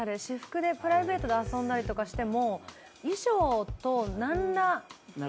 私服でプライベートで遊んだりとかしても衣装となんら。